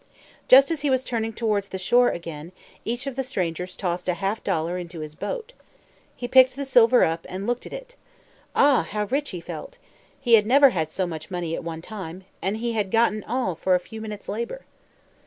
Just as he was turning towards the shore again, each of the strangers tossed a half dollar into his boat. He picked the silver up and looked at it. Ah, how rich he felt! He had never had so much money at one time. And he had gotten all for a few minutes' labor!